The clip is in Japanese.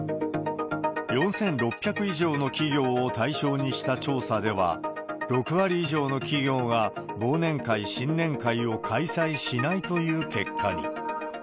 ４６００以上の企業を対象にした調査では、６割以上の企業が、忘年会、新年会を開催しないという結果に。